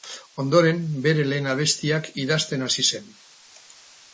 Ondoren, bere lehen abestiak idazten hasi zen.